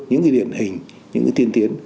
những điển hình những tiên tiến